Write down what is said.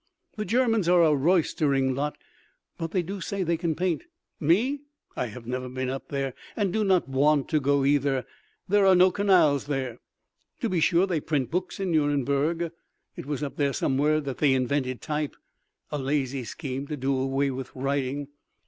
The Germans are a roystering lot—but they do say they can paint. Me? I have never been up there—and do not want to go, either—there are no canals there. To be sure, they print books in Nuremberg. It was up there somewhere that they invented type, a lazy scheme to do away with writing.